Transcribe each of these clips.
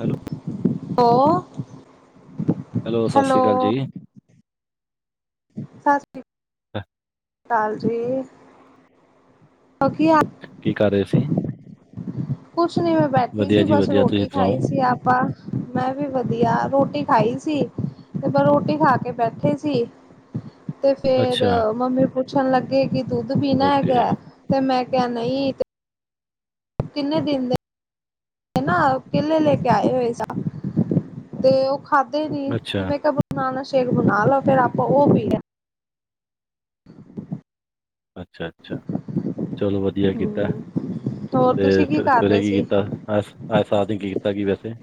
Hello hello hello ਸਤਿ ਸ੍ਰੀ ਅਕਾਲ ਜੀ ਸਤਿ ਸ੍ਰੀ ਅਹ, ਅਕਾਲ ਜੀ ਕਿ ਹਾਲ ਕੀ ਕਰ ਰਹੇ ਸੀ ਕੁਛ ਨੀ ਮੈਂ ਬੈਠੀ ਵਧੀਆ ਸੀ ਜੀ ਬਸ ਵਧੀਆ, ਤੁਸੀਂ ਰੋਟੀ ਸੁਣਾਓ? ਖਾਈ ਸੀ ਆਪਾਂ ਮੈਂ ਵੀ ਵਧੀਆ ਰੋਟੀ ਖਾਈ ਸੀ ਤੇ ਪਰ ਰੋਟੀ ਖਾ ਕੇ ਬੈਠੇ ਸੀ ਤੇ ਫਿਰ ਅੱਛਾ, ਮੰਮੀ ਪੁੱਛਣ ਲੱਗੇ ਕਿ ਦੁੱਧ ਪੀਣਾ ਓਕੇ, ਹੈਗਾ ਤੇ ਮੈਂ ਕਿਹਾ ਨਹੀਂ ਕਿੰਨੇ ਦਿਨ ਦੇ ਤੇ ਨਾ ਕੇਲੇ ਲੈ ਕੇ ਆਏ ਹੋਏ ਸਾ ਤੇ ਉਹ ਖਾਧੇ ਨੀ ਤੇ ਅੱਛਾ, ਮੈਂ ਕਿਹਾ ਬਣਾਨਾ ਸ਼ੇਕ ਬਣਾ ਲਵੋ ਫੇਰ ਆਪਾਂ ਉਹ ਪੀ ਲਿਆ ਅੱਛਾ ਅੱਛਾ ਚਲੋ ਵਧੀਆ ਕੀਤਾ ਹੂੰ ਹੋਰ ਤੁਸੀਂ ਕੀ ਫਿਰ ਕਰ ਸਵੇਰੇ ਰਹੇ ਕੀ ਸੀ? ਕੀਤਾ ਅੱਜ ਸਾਰਾ ਦਿਨ ਕੀਤਾ ਕੀ ਵੈਸੇ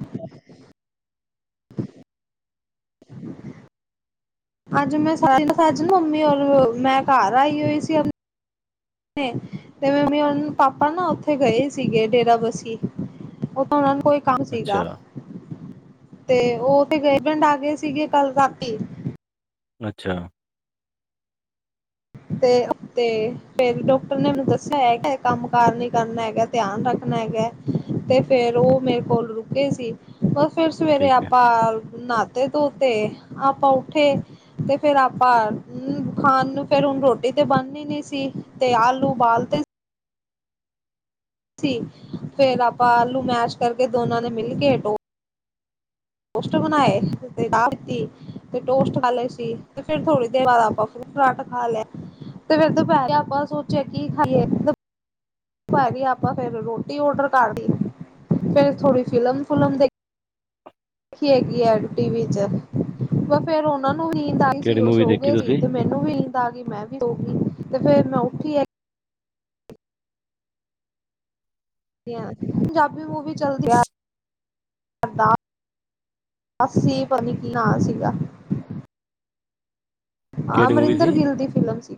ਅੱਜ ਮੈਂ ਸਾਰੇ ਦਿਨ ਜਾ ਮੰਮੀ ਔਰ ਮੈਂ ਘਰ ਆਈ ਹੋਈ ਸੀ। ਤੇ ਹੁਣ ਮੰਮੀ ਪਾਪਾ ਨਾ ਉਥੇ ਗਏ ਹੋਏ ਸੀਗੇ ਡੇਰਾ ਬੱਸੀ, ਉਹ ਤਾਂ ਉਹਨਾਂ ਨੂੰ ਕੋਈ ਕੰਮ ਸੀਗਾ, ਅੱਛਾ, ਤੇ ਉਹ ਤੇੇ ਗਏ ਪਿੰਡ ਆ ਗਏ ਸੀਗੇ ਕੱਲ ਰਾਤੀ। ਅੱਛਾ, ਤੇ ਤੇ ਫਿਰ ਡਾਕਟਰ ਨੇ ਮੈਨੂੰ ਦੱਸਿਆ ਐ ਕੰਮ ਕਾਰ ਨੀ ਕਰਨਾ ਹੈਗਾ। ਧਿਆਨ ਰੱਖਣਾ ਹੈਗਾ ਤੇ ਫੇਰ ਉਹ ਮੇਰੇ ਕੋਲ ਰੁਕੇ ਸੀ। ਬਸ ਫਿਰ ਸਵੇਰੇ ਠੀਕ ਹੈ। ਆਪਾਂ ਨਹਾ ਤੇ ਧੋਤੇ ਆਪਾਂ ਉੱਠੇ ਤੇ ਫਿਰ ਆਪਾਂ ਖਾਣ ਨੂੰ ਫਿਰ ਹੁਣ ਰੋਟੀ ਤੇ ਬਣਨੀ ਨੀ ਸੀ ਤੇ ਆਲੂ ਉਬਾਲ ਤੇ ਸੀ ਫਿਰ ਆਪਾਂ ਆਲੂ ਮੈਸ਼ ਕਰਕੇ ਦੋਨਾਂ ਨੇ ਮਿਲ ਕੇ ਟੋ ਟੋਸਟ ਬਣਾਏ ਤੇ ਚਾਅ ਪੀਤੀ। ਤੇ ਟੋਸਟ ਖਾ ਲਏ ਸੀ ਤੇ ਫਿਰ ਥੋੜ੍ਹੀ ਦੇਰ ਬਾਦ ਆਪਾਂ ਫਰੂਟ ਫਰਾਟ ਖਾ ਲਿਆ। ਤੇ ਫਿਰ ਦੁਪਹਿਰੇ ਆਪਾਂ ਸੋਚਿਆ ਕਿ ਖਾਈਏ। ਦੁਪਿਹਰੀ ਆਪਾਂ ਫਿਰ ਰੋਟੀ ਔਰਡਰ ਕਰ ਲਈ ਫਿਰ ਥੋੜੀ ਫਿਲਮ ਫੁਲਮ ਦੇਖ ਰੱਖੀ ਹੈਗੀ ਐ ਐਡ ਟੀ ਵੀ ਚ ਫੇਰ ਉਹਨਾ ਨੂੰ ਨੀਂਦ ਆਈ ਕਿਹੜੀ ਸੀ ਉਹ ਮੂਵੀ ਸੋ ਦੇਖੀ ਗਏ ਸੀ ਤੁਸੀਂ? ਤੇ ਮੈਨੂੰ ਮੈਨੂੰ ਵੀ ਨੀਂਦ ਆ ਗਈ ਮੈਂ ਵੀ ਸੌਗੀ, ਤੇ ਫੇਰ ਮੈਂ ਉੱਠੀ ਆ ਪੰਜਾਬੀ ਮੂਵੀ ਚਲਦੀ ਆ [unintelligible] ਅੱਸੀ [unintelligible] ਨਾਂ ਸੀਗਾ। ਹਾਂ ਕਿਹੜੀ ਮੂਵੀ ਅਮਰਿੰਦਰ ਸੀ? ਗਿੱਲ ਦੀ ਫਿਲਮ ਸੀ।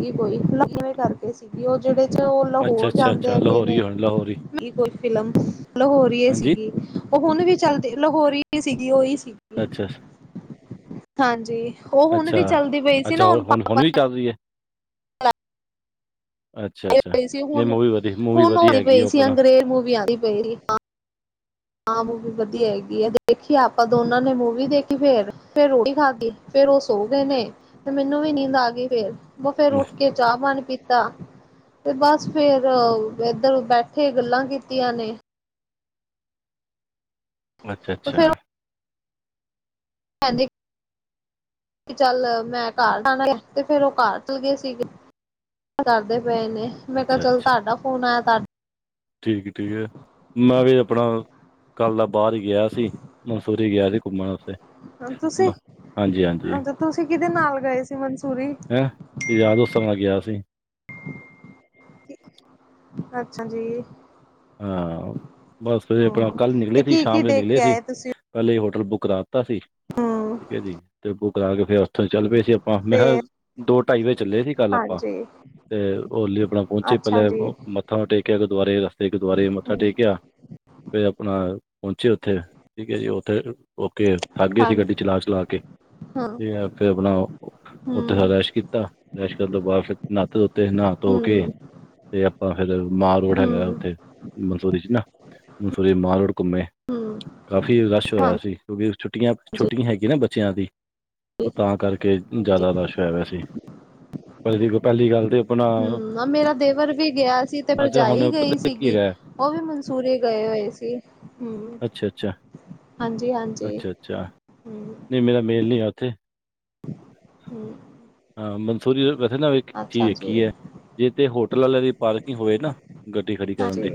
ਗੀ ਕੋਈ ਕਿਵੇਂ ਕਰਕੇ ਸੀਗੀ ਉਹ ਜਿਹੜੇ ਚ ਉਹ ਅੱਛਾ, ਲਾਹੌਰ ਅੱਛਾ, ਜਾਂਦੇ ਅੱਛਾ ਹੈਗੇ ਨੇ। ਲਾਹੌਰੀ ਹੁਣ ਲਾਹੌਰੀ ਕੋਈ ਫਿਲਮ ਲਹੋਰੀਏ ਹਾਂਜੀ, ਸੀਗੀ। ਉਹ ਹੁਣ ਵੀ ਚੱਲਦੀ ਲਾਹੋਰੀ ਸੀਗੀ ਉਹੀ ਸੀਗੀ। ਅੱਛਾ। ਹਾਂਜੀ ਉਹ ਹੁਣ ਵੀ ਚੱਲਦੀ ਪਈ ਸੀ ਨਾ ਹੁਣ ਪਾਈ ਹੁਣ ਵੀ ਚੱਲ ਰੀ ਏ ਅੱਛਾ, ਅੱਛਾ ਪਈ ਸੀ ਨਹੀਂ ਹੁਣ, ਮੂਵੀ ਵਧੀ ਮੂਵੀ ਹੁਣ ਵਧੀਆ ਔਦੀ ਹੈਗੀ ਆ ਪਈ ਸੀ ਆਪਣਾ ਅੰਗਰੇਜ਼ ਮੂਵੀ ਆਂਦੀ ਪਈ ਸੀ। ਹਾਂ ਮੂਵੀ ਵਧੀਆ ਹੈਗੀ ਏ ਦੇਖੀ ਆਪਾਂ ਦੋਨਾਂ ਨੇ ਮੂਵੀ ਦੇਖੀ ਫੇਰ, ਫੇਰ ਰੋਟੀ ਖਾਦੀ ਫੇਰ ਔ ਸੋਗੇ ਨੇ, ਤੇ ਮੈਨੂੰ ਵੀ ਨੀਂਦ ਆ ਗਈ ਫੇਰ, ਬਸ ਫੇਰ ਹਮ, ਕੇ ਚਾਹ ਪਾਣੀ ਪੀਤਾ ਤੇ ਬਸ ਫੇਰ ਏਧਰ ਬੈਠੇ ਗੱਲਾਂ ਕੀਤੀਆਂ ਨੇ ਅੱਛਾ-ਅੱਛਾ, ਹਾਂਜੀ ਕਿ ਚੱਲ ਮੈਂ ਘਰ ਜਾਣਾ ਤੇ ਫੇਰ, ਉਹ ਘਰ ਤੁਰ ਗਏ ਸੀਗੇ। ਕਰਦੇ ਪਏ ਨੇ ਮੈਂ ਕਿਆ ਅੱਛਾ, ਚੱਲ ਅੱਛਾ। ਤਾਡਾ ਫੋਨ ਆਇਆ ਤਾ ਠੀਕ ਏ, ਠੀਕ ਏ ਮੈਂ ਵੀ ਆਪਣਾ ਕੱਲ੍ਹ ਦਾ ਬਾਰ ਈ ਗਿਆ ਸੀ, ਮਨਸੁਰੀ ਗਿਆ ਸੀ ਘੁੰਮਣ ਵਾਸਤੇ, ਤੁਸੀਂ ਹਾਂਜੀ-ਹਾਂਜੀ ਅੱਛਾ ਤੁਸੀਂ ਕਿਦੇ ਨਾਲ ਗਏ ਸੀ ਮਨਸੂਰੀ? ਮੈਂ ਯਾਰ ਦੋਸਤਾਂ ਨਾਲ ਗਿਆ ਸੀ। ਅੱਛਾ ਜੀ ਹਾਂ, ਬਸ ਫੇਰ ਆਪਣਾ ਹੂੰ ਕੱਲ੍ਹ ਤੇ ਨਿਕਲੇ ਸੀ ਕੀ ਕੀ ਸ਼ਾਮ ਵੇਲੇ ਦੇਖ ਨਿਕਲੇ ਕੇ ਸੀ ਆਏ ਤੁਸੀਂ ਪੇਲੇ ਈ ਹੋਟਲ ਬੁੱਕ ਕਰਾ ਤਾ ਸੀ ਹੂੰ ਠੀਕ ਐ ਜੀ ਤੇ ਬੁਕ ਕਰਾ ਕੇ ਫੇਰ ਉੱਥੋਂ ਚੱਲ ਪਏ ਸੀ ਹਾਂ ਮੈ ਹਾ, ਫੇਰ ਦੋ ਢਾਈ ਵਜੇ ਚੱਲੇ ਸੀ ਕੱਲ ਆਪਾਂ ਹਾਂਜੀ ਤੇ ਹੋਲੀ ਆਪਣਾ ਪੌਂਚੇ ਅੱਛਾ ਪੇਲੇ ਜੀ ਮੱਥਾ ਟੇਕਿਆ ਗੁਰਦੁਆਰੇ ਵਾਸਤੇ ਗੁਰਦੁਆਰੇ ਮੱਥਾ ਹੂੰ ਟੇਕ ਕੇ ਆ ਫਿਰ ਆਪਣਾ ਪੌਂਚੇ ਉੱਥੇ ਠੀਕ ਐ ਜੀ ਉੱਥੇ ਓਕੇ ਥੱਕ ਗਏ ਸੀ ਗੱਡੀ ਹਾਂਜੀ ਚਲਾ-ਚਲਾ ਕੇ, ਹਾਂ ਤੇ ਫਿਰ ਆਪਣਾ ਓ। ਉੱਠਣ ਸਾਰ ਹੂੰ ਬਰੱਸ਼ ਕੀਤਾ, ਬਰੱਸ਼ ਕਰਨ ਤੋਂ ਬਾਅਦ ਫਿਰ ਨਾਤੇ ਧੋਤੇ ਨਾ ਧੋ ਕੇ। ਹੂੰ ਤੇ ਆਪਾਂ ਫੇਰ ਮਾਰ ਰੋਡ ਹੈਗਾ। ਹੂੰ ਉੱਥੇ ਮਨਸੂਰੀ ਚ ਨਾ ਮਸੂਰੀ ਮਾਲ ਰੋਡ ਘੁੰਮੇ ਹੂੰ ਕਾਫੀ ਰਸ਼ ਹੋਇਆ ਹਾਂਜੀ ਸੀ। ਕਿਉਂਕਿ ਛੁੱਟੀਆਂ-ਛੁੱਟੀਆਂ ਹੈਗੀਆਂ ਨਾ ਬੱਚਿਆਂ ਦੀ ਉਹ ਤਾਂ ਕਰਕੇ ਹਾਂਜੀ ਜ਼ਿਆਦਾ ਰਸ਼ ਹੋਇਆ ਸੀ। ਦੇਖੋ ਪਹਿਲੀ ਗੱਲ ਤੇ ਆਪਣਾ, ਹੂੰ ਮੇਰਾ ਦੇਵਰ ਵੀ ਗਿਆ ਸੀ ਤੇ ਅੱਛਾ ਭਰਜਾਈ ਹੁਣ ਪਤਾ। ਗਈ ਕੀ ਸੀਗੀ ਹੈਗਾ ਉਹ ਵੀ ਮਨਸੂਰੀ ਗਏ ਹੋਏ ਸੀ। ਹੂੰ। ਅੱਛਾ ਅੱਛਾ ਹਾਂਜੀ, ਹਾਂਜੀ ਹੂੰ। ਨਈ ਮੇਰਾ ਮੇਲ ਨੀ ਹੈ ਉੱਥੇ। ਹੂੰ। ਹਾਂ ਮੰਸੂਰੀ ਵੈਸੇ ਨਾ ਵੀ। ਏਕ ਚੀਜ ਅੱਛਾ ਜੀ। ਵੇਖੀ ਏ ਜੇ ਤੇ ਹੋਟਲ ਆਲਿਆਂ ਦੀ ਪਾਰਕਿੰਗ ਹੋਏ ਨਾ ਗੱਡੀ ਖੜੀ ਕਰਨ ਹਾਂਜੀ, ਦੀ।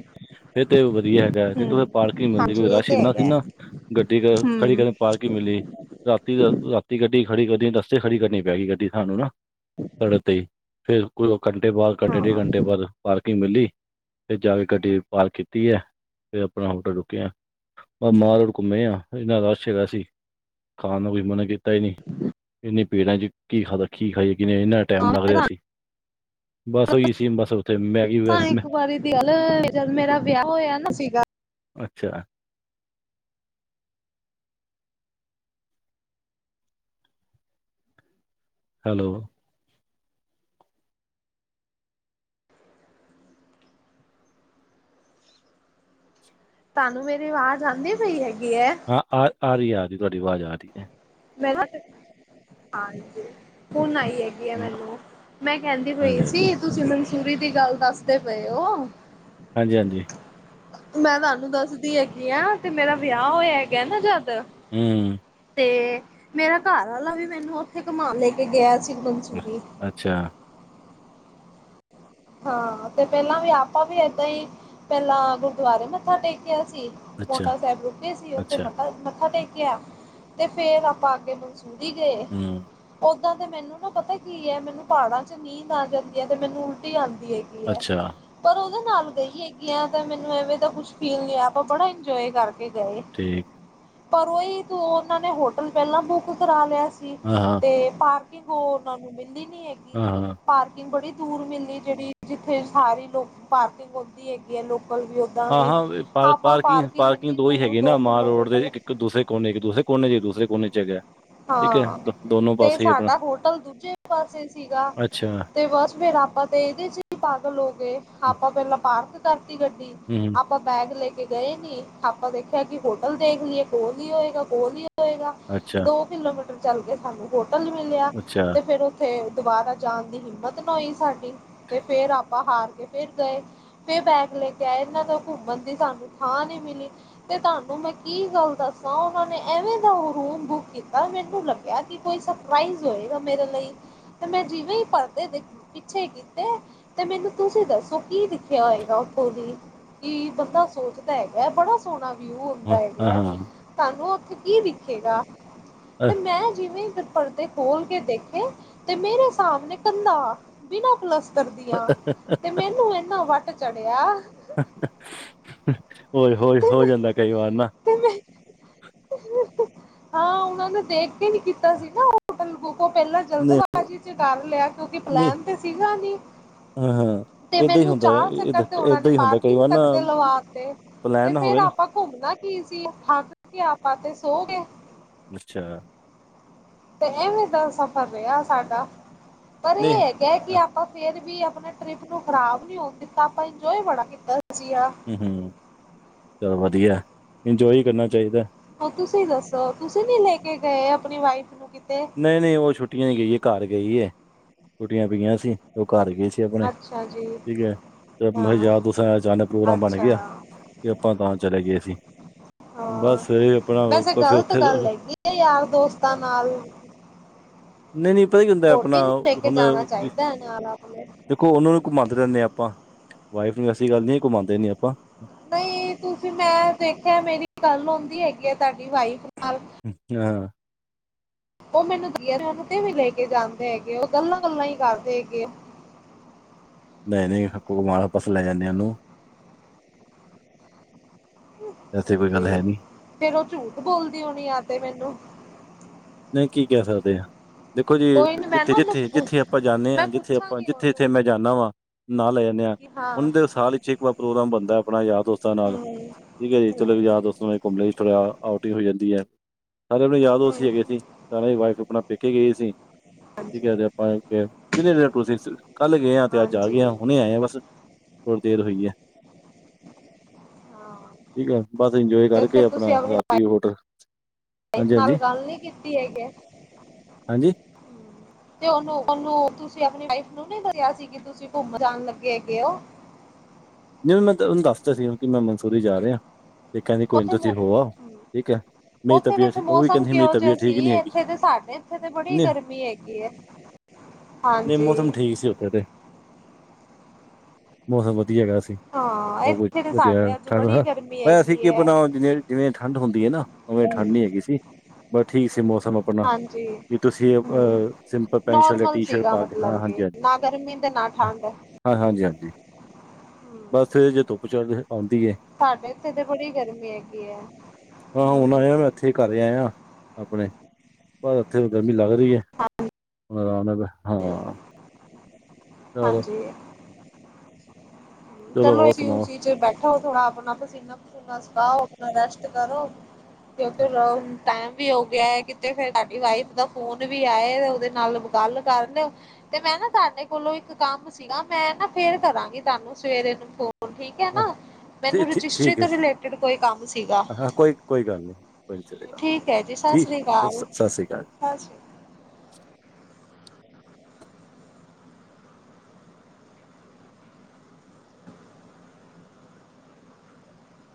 ਫੇਰ ਤੇ ਵਧੀਆ ਹੈਗਾ ਨਹੀਂ ਹੂੰ, ਤੁ ਪਾਰਕਿੰਗ ਮਿਲਦੀ ਹਾਂਜੀ ਕੋਈ ਇਹ ਰਸ਼ ਤੇ ਇੰਨਾ ਸੀ ਹੈਗਾ। ਨਾ। ਗੱਡੀ ਕ ਖੜੀ ਹੂੰ, ਕਰ ਪਾਰਕਿੰਗ ਨੀ ਮਿਲੀ। ਰਾਤੀ, ਰਾਤੀ ਗੱਡੀ ਖੜੀ ਕਰਨੀ ਰਸਤੇ ਖੜੀ ਕਰਨੀ ਪੈ ਗਈ ਗੱਡੀ ਸਾਨੂੰ ਨਾ, ਸੜਕ ਤੇਈ। ਫੇਰ ਕੁ ਘੰਟੇ ਬਾਦ ਹਾਂ ਘੰਟੇ ਡੇਢ ਹਾਂ ਮੈਂ ਘੰਟੇ ਬਾਦ ਪਾਰ। ਕਿੰਗ ਮਿਲੀ, ਫੇਰ ਜਾ ਕੇ ਗੱਡੀ ਪਾਰਕ ਕੀਤੀ ਏ, ਫੇਰ ਆਪਣਾ ਹੋਟਲ ਰੁੱਕਿਆ। ਮਾਲ ਰੋਡ ਘੁੰਮੇ ਆ ਇੰਨਾ ਰਸ਼ ਹੈਗਾ ਸੀ, ਖਾਣ ਦਾ ਕੋਈ ਮਨ ਕੀਤਾ ਈ ਨੀ। ਇਨੇ ਭੀੜਾਂ ਚ ਕੀ ਖਾਦਾ ਕੀ ਖਾਈਏ ਕਿਵੇ ਇੰਨਾ। ਟਾਈਮ ਲੱਗ ਤੁਹਾਨੂੰ ਰਿਹਾ ਸੀ, ਬਸ ਉਈ ਸੀ ਬਸ ਉੱਥੇ ਮੈਗੀ ਦੱਸਾਂ ਵਗੈਰਾ ਮ। ਇੱਕ ਵਾਰੀ ਦੀ ਗੱਲ ਜਦ ਮੇਰਾ ਵਿਆਹ ਹੋਏਆ ਨਾ ਸੀਗਾ। ਅੱਛਾ। ਹੈਲੋ ਤਾਨੂੰ ਮੇਰੀ ਅਵਾਜ਼ ਆਂਦੀ ਪਈ ਹੈਗੀ ਏ? ਹਾਂ ਆ ਆ ਰੀ ਹੈ ਆ ਰੀ ਤੁਆਡੀ ਆਵਾਜ਼ ਆ ਰੀ ਏ। ਮੈਂ ਹਾਂਜੀ ਹੁਣ ਆਈ ਏ। ਗਈ ਏ ਹਾਂ ਮੈਨੂੰ, ਮੈਂ ਕੈਂਦੀ ਪਈ ਹਾਂਜੀ ਹਾਂਜੀ ਸੀ ਤੁਸੀਂ ਮਨਸੂਰੀ ਦੀ ਗੱਲ ਦੱਸਦੇ ਪਏ ਓ। ਹਾਂਜੀ, ਹਾਂਜੀ। ਮੈਂ ਤੁਆਨੂੰ ਦੱਸਦੀ ਹੈਗੀ ਆ ਤੇ ਮੇਰਾ ਵਿਆਹ ਹੋਇਆ ਹੈਗਾ ਨਾ ਜਦ ਹੂੰ ਤੇ ਮੇਰਾ ਘਰ ਆਲਾ ਵੀ ਮੈਨੂੰ ਓਥੇ ਘੁੰਮਾਣ ਲੈ ਕੇ ਗਿਆ ਸੀ ਮਨ। ਅੱਛਾ। ਹਾਂ ਤੇ ਪੈਲਾਂ ਵੀ ਆਪਾਂ ਵੀ ਏਦਾਂ ਈ ਪੈਲਾਂ ਗੁਰਦੁਆਰੇ ਮੱਥਾ ਟੇਕਿਆ ਸੀ ਅੱਛਾ, ਪੋਂਟਾ ਸਾਹਿਬ ਰੁਕੇ ਸੀ ਓਥੇ ਅੱਛਾ, ਮੱਥਾ-ਮੱਥਾ ਟੇਕਿਆ ਤੇ ਫੇਰ ਆਪਾਂ ਅੱਗੇ। ਸੁਰੀ ਗਏ ਹੂੰ, ਓ। ਓਦਾਂ ਤੇ ਮੈਨੂੰ ਨਾ ਪਤਾ ਕੀ ਐ, ਮੈਨੂੰ ਪਹਾੜਾਂ ਚ ਨੀਂਦ ਆ ਜਾਂਦੀ ਐ ਤੇ ਮੈਨੂੰ ਉਲਟੀ ਆਂਦੀ ਏ। ਕੀ ਐ। ਅੱਛਾ, ਪਰ ਓਦੇ ਨਾਲ ਗਈ ਹੈਗੀ ਆ ਤੇ ਮੈਨੂੰ ਐਵੇਂ ਤਾਂ ਕੁੱਛ ਫੀਲ ਨੀ ਹੋਇਆ ਆਪਾਂ ਬੜਾ ਇੰਜੋਏ ਕਰਕੇ ਗਏ। ਠੀ ਪਰ ਓਹੀ ਤ ਓਨਾਂ ਨੇ ਹੋਟਲ ਪੈਲਾਂ ਬੁੱਕ ਕਰਾ ਲਿਆ ਸੀ। ਹਾਂ-ਹਾਂ ਤੇ ਪਾਰਕਿੰਗ ਓ ਓਨਾਂ ਨੂੰ ਮਿਲੀ ਨੀ ਹੈ ਹਾਂ। ਪਾਰਕਿੰਗ ਬੜੀ ਦੂਰ ਮਿਲੀ, ਜਿਹੜੀ ਜਿੱਥੇ ਸਾਰੀ ਲੋਕ ਪਾਰਕਿੰਗ ਹੁੰਦੀ ਹੈਗੀ ਐ ਲੋਕਲ ਵੀ। ਓਦਾਂ ਵੀ ਹਾਂ-ਹਾਂ ਪ ਆਪਾਂ ਪਾਰਕਿੰਗ ਪਾਰਕਿੰਗ-ਪਾਰਕਿੰਗ ਇੰਨੀ ਦੋ ਹੀ ਦੂਰ ਹੈਗੇ ਨਾ ਮਾਲ ਰੋਡ ਦੇ ਕਿਲੋਮੀਟਰ ਇੱਕ ਦੂਸਰੇ ਕੋਨੇ ਇੱਕ ਦੂਸਰੇ। ਕੋਣੇ ਜੀ ਦੁਸਰੇ ਕੋਣੇ ਚ' ਹੈਗੈ। ਹਾਂ। ਤੇ ਸਾਡਾ ਹੋਟਲ ਦੂਜੇ ਪਾਸੇ ਸੀਗਾ। ਅੱਛਾ, ਤੇ ਬਸ ਫੇਰ ਆਪਾਂ ਤੇ ਏਦੇ ਚ' ਈ ਪਾਗਲ ਹੋ ਗਏ, ਆਪਾਂ ਪਹਿਲਾਂ ਪਾਰਕ ਕਰਤੀ ਗੱਡੀ। ਹੂ ਆਪਾਂ ਬੈਗ ਲੈ ਕੇ ਗਏ ਨੀ ਆਪਾਂ ਦੇਖਿਆ ਕਿ ਹੋਟਲ ਦੇਖ ਲਈਏ, ਕੋਲ ਈ ਹੋਏਗਾ, ਕੋਲ ਈ ਹੋਏਗਾ। ਅੱਛਾ। ਦੋ ਕਿਲੋਮੀਟਰ ਚੱਲ ਕੇ ਸਾਨੂੰ ਹੋਟਲ ਮਿਲਿਆ। ਅੱਛਾ, ਤੇ ਫੇਰ ਉਥੇ ਦੁਬਾਰਾ ਜਾਣ ਦੀ ਹਿੰਮਤ ਨਾ ਹੋਈ ਸਾਡੀ, ਤੇ ਫੇਰ ਆਪਾਂ ਹਾਰ ਕੇ ਫਿਰ ਗਏ। ਫੇਰ ਬੈਗ ਲੈ ਕੇ ਆਏ ਏਨਾਂ ਤੋਂ ਘੁੰਮਣ ਦੀ ਸਾਨੂੰ ਥਾਂ ਨੀ ਮਿਲੀ। ਤੇ ਤੁਹਾਨੂੰ ਮੈਂ ਕੀ ਗੱਲ ਦੱਸਾਂ ਓਨਾਂ ਨੇ ਐਵੇਂ ਦਾ ਓਹ ਰੂਮ ਬੁੱਕ ਕੀਤਾ ਮੈਨੂੰ ਲੱ ਗਿਆ ਕੀ ਕੋਈ ਸਰਪ੍ਰਾਈਜ਼ ਹੋਏਗਾ ਮੇਰੇ ਲਈ। ਤੇ ਮੈਂ ਜਿਵੇਂ ਈ ਪਰਦੇ ਦੇ ਪਿੱਛੇ ਗਈ। ਤੇ-ਤੇ ਮੈਨੂੰ ਤੁਸੀਂ ਦੱਸੋ ਕੀ ਦਿਖਿਆ ਹੋਏਗਾ ਉੱਥੋ ਦੀ? ਕੀ ਬੰਦਾ ਸੋਚਦਾ ਹੈਗਾ ਬੜਾ ਸੋਣਾ ਵਿਊ ਹੁੰਦਾ ਹਾਂ, ਹੈਗੈ, ਹਾਂ-ਹਾਂ। ਤੁਹਾਨੂੰ ਉੱਥੇ ਕੀ ਦਿਖੇਗਾ? ਤੇ ਮੈਂ ਜਿਵੇਂ ਈ ਫਿਰ ਪਰਦੇ ਖੋਲ ਕੇ ਦੇਖੇ, ਤੇ ਮੇਰੇ ਸਾਮਣੇ ਕੰਧਾ ਬਿਨਾਂ ਪਲੱਸ ਤਰ ਦੀਆਂ। ਤੇ ਮੈਨੂੰ ਇਨਾ ਵੱਟ ਚੜਿਆ। ਹੋਰ-ਹੋਰ ਹੋ ਜਾਂਦਾ ਕਈ ਵਾਰ ਨਾ। ਉਂ ਮੈ ਹਾਂ, ਉਨਾਂ ਨੂੰ ਦੇਖ ਕੇ ਨੀ ਕੀਤਾ ਸੀ ਨਾ ਹੋਟਲ ਬੁਕ ਓ ਪੈਲਾਂ ਨ ਜਲਦਬਾਜ਼ੀ ਚ' ਕਰ ਲਿਆ ਕਿਉਂਕਿ ਨਹੀਂ ਪਲੈਨ ਤੇ ਸੀਗਾ ਨੀ। ਹਾਂ-ਹਾਂ। ਤੇ ਏਦਾਂ ਹੀ ਮੈਨੂੰ ਹੁੰਦਾ ਚਾਰ ਚੱਕਰ ਤੇ ਓਨਾ ਨੇ ਏਦਾਂ ਹੀ ਹੁੰਦਾ ਕਈ ਪਾਰਕਿੰਗ ਵਾਰ ਨਾ ਤੱਕ ਤੇ ਲਵਾ ਤੇ। ਤੇ ਪਲੈਨ ਨਾ ਫੇਰ ਹੋਵੇ ਨਾ ਆਪਾਂ ਘੁੰਮਣਾ ਕੀ ਸੀ ਥੱਕ ਕੇ ਆਪਾਂ ਤੇ ਸੋ ਗੇ। ਅੱਛਾ। ਤੇ ਐਵੇਂ ਦਾ ਸਫ਼ਰ ਰਿਆ ਸਾਡਾ। ਪਰ ਏ ਨਹੀਂ ਐ ਐ ਕੇ ਆਪਾਂ ਫੇਰ ਵੀ ਆਪਣੇ ਟ੍ਰਿਪ ਨੂੰ ਖ਼ਰਾਬ ਨੀ ਹੋਣ ਦਿੱਤਾ ਆਪਾਂ ਇੰਜੋਏ ਬੜਾ ਕੀਤਾ ਸੀਗਾ। ਹੂੰ-ਹੂੰ। ਚੱਲੋ ਵਧੀਆ, ਇੰਜੋਏ ਕਰਨਾ ਚਾਈਦੈ। ਹੁਣ ਤੁਸੀਂ ਦੱਸੋ, ਤੁਸੀਂ ਨੀ ਲੈ ਕੇ ਗਏ ਆਪਣੀ ਵਾਈਫ ਨੂੰ ਕਿਤੇ? ਨਈ-ਨਈ ਓ ਛੁੱਟੀਆਂ ਚ' ਗਈ ਏ ਘਰ ਗਈ ਐ। ਛੁੱਟੀਆਂ ਪਈਆਂ ਸੀ ਓ ਘਰ ਗਈ ਸੀ। ਅੱਛਾ ਜੀ। ਬਸ ਹਾਂ ਯਾਰ, ਦੋਸਤਾ ਅਚਾਨਕ ਪ੍ਰੋਗਰਾਮ ਬਣ ਗਿਆ। ਅੱਛਾ ਆਪਾਂ ਤਾਂ ਚਲੇ ਗਏ ਸੀ। ਹਾਂ, ਬਸ ਸਵੇਰੇ ਆਪਣਾ ਕੁਛ ੳਥੇ ਫੇਰ ਏ ਯਾਰ- ਦੋਸਤਾਂ ਨਾਲ ਨਈ -ਨਈ ਪਤਾ ਕੀ ਹੁੰਦੈ ਆਪਣਾ, ਵੋਟੀ ਨੂੰ ਲੈ ਕੇ ਹੁਣ ਜਾਣਾ ਚਾਹੀਦਾ ਹੈ ਨਾਲ ਆਪਣੇ। ਦੇਖੋ ਓਨਾ ਨੂੰ ਘੁੰਮਾਂਦੇ ਰੈਂਦੇ ਆ ਆਪਾਂ, ਵਾਈਫ ਨੂੰ ਐਸੀ ਗੱਲ ਨੀ ਘੁੰਮਾਂਦੇ ਨੀ ਆਪਾਂ। ਨਹੀਂ, ਤੁਸੀਂ ਮੈਂ ਦੇਖਿਆ ਮੇਰੀ ਗੱਲ ਹੋੰਦੀ ਹੈਗੀ ਆ ਤਾਡੀ ਵਾਈਫ ਨਾਲ। ਉਂ ਆਂ। ਓਹ ਮੈਨੂੰ ਦੀ ਐ ਤੇ ਔਨੂੰ ਤੇ ਵੀ ਲੈ ਕੇ ਜਾਂਦੇ ਹੈਗੇ। ਓਹ ਗੱਲਾਂ-ਗੱਲਾਂ ਹੀ ਕਰਦੇ ਹੈਗੇ ਐ। ਨਹੀਂ- ਨਹੀਂ, ਹਕੂਮਾਰਾਪਸ ਲੈ ਜਾਂਣੇ ਆਂ ਓਨੂੰ। ਐਸੀ ਕੋਈ ਹਾਂਜੀ। ਗੱਲ ਹੈ ਨਹੀਂ ਫੇਰ ਓਹ ਝੂਠ ਬੋਲਦੀ ਹੋਣੀ ਆ ਤੇ ਮੈਨੂੰ। ਨਹੀਂ ਕੀ ਕੈ ਸਕਦੇ ਹਾਂ। ਦੇਖੋ ਜੀ ਕੋਈ ਨੀ ਮੈਂ ਨਾ ਜਿੱਥੇ- ਉਹਨੂੰ ਜਿੱਥੇ- ਪੁ ਜਿੱਥੇ ਅਪਾਂ ਜਾਂਣੇ ਮੈਂ ਆਂ, ਜਿੱਥੇ ਅਪਾਂ ਪੁੱਛਾਂਗੀ ਜਿੱਥੇ- ਜਿੱਥੇ ਉਹਨੂੰ ਮੈਂ ਜਾੱਨਾ ਵਾ। ਨਾਲ ਲੈ ਜਾਂਣੇ ਆਂ, ਕਿ ਹਾਂ ਉੰਦ ਤੇ ਸਾਲ ਇਚ ਇੱਕ ਵਾਰ ਪ੍ਰੋਗਰਾਮ ਬਣਦੈ ਅਪਣਾ ਯਾਰਾ, ਦੋਸਤਾਂ ਨਾਲ। ਹੂੰ ਠੀਕ ਹੈ ਜੀ ਹੂੰ ਚਲੋ ਯਾਰ ਦੋਸਤਾ ਨਾ ਘੁੰਮ ਲੇ ਥੋੜ੍ਹਾ ਆਉਟੀ ਹੋ ਜਾਂਦੀ ਐ, ਐ ਤੇ ਅਪਣੇ ਯਾਰ, ਦੋਸਤ ਹੀ ਹੂੰ ਹੈਗੇ। ਤੇ ਵਾਈਫ ਅਪਣਾ ਪੇਕੇ ਗਈ ਸੀ। ਠੀਕ ਹੈ ਹਾਂਜੀ ਤੇ ਆਪਾਂ ਕੈ ਕਿਦੇ, ਦੇਐ ਤੁਸੀਂ ਕੱਲ ਗਏ ਹਾਂ ਤੇ ਅੱਜ ਆ ਗਏ ਹਾਂ, ਹਾਂਜੀ ਹੁਣੇ ਆਏ ਆਂ ਬਸ। ਹੋਰ ਦੇਰ ਹੋਈ ਹੈ। ਹਾਂ ਠੀਕ ਆ, ਬਸ ਇੰਜੋਏ ਤੇ ਕਰਕੇ ਫਿਰ ਅਪਣਾ ਤੁਸੀਂ ਆਪਣੀ ਰਾਤੀ ਹੋਟਲ ਵਾਈਫ ਹਾਂਜੀ ਨਾਲ ਹਾਂਜੀ ਗਾ ਗੱਲ ਨੀ ਕੀਤ ਤੀ ਹੈ ਗੈ। ਹਾਂਜੀ। ਤੇ ਓਨੂੰ ਓਨੂੰ ਤੁਸੀਂ ਆਪਣੀ ਵਾਈਫ ਨੂੰ ਨੀ ਦੱਰਿਆ ਸੀ ਕਿ ਤੁਸੀਂ ਘੁੰਮ ਜਾਣ ਲੱਗੇ ਹੈਗੇ ਔ। ਨਹੀਂ ਔਨ ਮੈਂ ਤੇ ਓਨੂੰ ਦੱਸਤਾ ਸੀ ਕਿ ਮੈਂ ਮਨਸੂਰੀ ਜਾ ਰੇਆ ਤੇ ਕੈੰਦੀ ਕੋਈ ਨੀ ਤੁਸੀਂ ਹੋ ਆਔ, ਠੀਕ ਹੈ। ਮੇਰੀ ਓਥੇ ਤਬੀਅਤ ਵੈਸੇ ਠੀਕ ਉਹ ਵੀ ਮੌਸਮ ਕਹਿੰਦੀ ਮੇਰੀ ਕਿਹੋ ਜਾ ਤਬੀਅਤ ਸੀ? ਠੀਕ ਨਹੀਂ ਹੈਗੀ ਏਥੇ ਤੇ ਸਾਡੇ ਇੱਥੇ ਤੇ ਬੜੀ ਨਹੀਂ ਗਰਮੀ ਹੈਗੀ ਐਂ। ਨਹੀਂ, ਮੌਸਮ ਠੀਕ ਸੀ ਉੱਥੇ ਤੇ। ਮੌਸਮ ਵਧੀਆ ਹੈਗਾ ਸੀ ਹਾਂ ਸਭ ਕੁਛ ਇੱਥੇ ਤੇ ਵਧੀਆ ਸਾਡੇ ਅੱਜ ਠੰਡ ਬੜੀ ਠਹਾ ਗਰਮੀ ਐ ਸੀਂ ਹੈਗੀ ਕੀ ਹੈ। ਅਪਣਾ ਜਨੇ ਜਿਵੇਂ ਠੰਢ ਹੁੰਦੀ ਐ ਨਾ ਉਵੇਂ ਹੂੰ ਠੰਡ ਨੀ ਹੈਗੀ ਸੀ। ਬਸ ਠੀਕ ਸੀ ਮੌਸਮ ਅਪਣਾ ਹਾਂਜੀ ਵੀ ਤੁਸੀਂ ਹੂੰ ਅ ਸਿੰਪਲ ਪੈਂਟ ਸ਼ਰਟ ਯਾ ਨੋਰਮਲ ਟੀ-ਸ਼ਰਟ ਸੀਗਾ ਪਾ ਕੇ ਹਾਂ, ਮਤਲਬ ਹਾਂਜੀ ਕਿ ਹਾਂਜੀ। ਨਾ ਗਰਮੀ ਤੇ ਨਾ ਠਾੰਡ। ਹਾਂ, ਹਾਜੀ ਹਾਂਜੀ। ਬਸ ਏਜੇ ਧੁੱਪ ਚੜ ਆਂਦੀ ਏ। ਸਾਡੇ ਇੱਥੇ ਤੇ ਬੜੀ ਗਰਮੀ ਹੈਗੀ ਐਂ। ਹਾਂ, ਹੁਣ ਆਇਆ ਮੈਂ ਐਥੇ ਹੀ ਘਰੇ ਆਯਾ ਅਪਣੇ। ਪਰ ਓਥੇ ਓ ਗਰਮੀ ਲੱਗ ਰਹੀ ਐ। ਹੁਣ ਆਰਾਮ ਨਾਲ ਹਾਂ। ਚਲੋ ਹਾਂਜੀ। ਚਲੋ ਹੋਰ ਏਸੀ ਸੁਣਾਓ ਉਸੀ ਚ ਬੈਠੋ। ਥੋੜਾ ਅਪਣਾ ਪਸੀਨਾ-ਪਸੂਨਾ ਸੁਕਾਓ, ਅਪਣਾ ਰੈਸਟ ਕਰੋ। ਯੇ ਤੋ ਰੋੰਗ ਟੈਮ ਵੀ ਹੋ ਗਿਐ, ਕਿਤੇ ਫੇਰ ਤਾਡੀ ਵਾਈਫ ਦਾ ਫੋਨ ਵੀ ਆਏ ਤੇ ਓਦੇ ਨਾਲ ਗੱਲ ਕਰਨ ਤੇ ਮੈਂ ਨਾ ਤਾਡੇ ਕੋਲੋਂ ਇੱਕ ਕੰਮ ਸੀਗਾ ਮੈਂ ਨਾ ਫੇਰ ਕਰਾਂਗੀ ਤਾਨੂੰ ਸਵੇਰੇ ਨੂੰ ਫੋਨ। ਹੋਣ ਠੀਕ ਐ ਨਾ। ਠੀ ਮੈਨੂੰ ਰਜਿਸਟਰੀ ਠੀਕ ਹੈ ਤੋਂ ਜੀ ਰਿਲੇਟੀਡ ਕੋਈ ਕੰਮ ਸੀਗਾ। ਹਾਂ ਕੋਈ ਕੋਈ ਗੱਲ ਨਹੀਂ ਕੋਈ ਨਹੀਂ ਚਲੇਗਾ ਠੀਕ ਹੈ ਜੀ, ਸਾ ਠੀਕ ਸ੍ਰੀ ਕਾਲ, ਸਤਿ ਸ੍ਰੀ ਅਕਾਲ ਸਾ ਸ੍ਰੀ